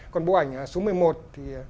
còn bộ ảnh số một mươi một thì